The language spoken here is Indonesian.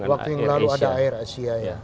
waktu yang lalu ada air asia ya